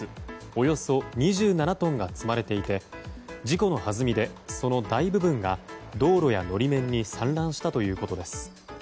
およそ２７トンが積まれていて事故の弾みでその大部分が道路や法面に散乱したということです。